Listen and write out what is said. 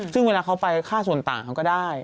ซึ่งเวลาเขาไปค่าส่วนต่างเขาก็ได้